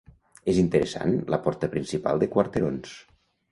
És interessant la porta principal de quarterons.